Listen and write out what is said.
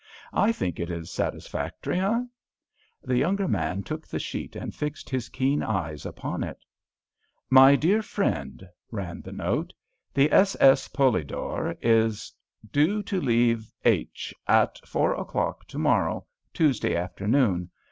I think it is satisfactory, eh?" The younger man took the sheet and fixed his keen eyes upon it. "My dear Friend," ran the note, "_the s.s. 'Polidor' is due to leave H—— at four o'clock to morrow, Tuesday afternoon.